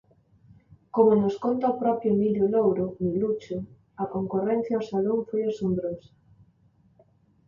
Como nos conta o propio Emilio Louro, Milucho, "a concorrencia ao salón foi asombrosa".